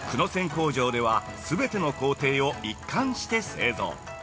工場では全ての工程を一貫して製造。